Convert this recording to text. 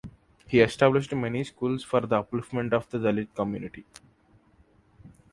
He established many schools for the upliftment of the Dalit community.